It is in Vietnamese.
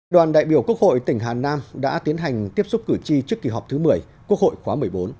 đoàn đại biểu quốc hội tỉnh hà nam đã tiến hành tiếp xúc cử tri trước kỳ họp thứ một mươi quốc hội khóa một mươi bốn